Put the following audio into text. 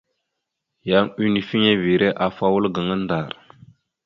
Yan unifiŋere afa wal gaŋa ndar.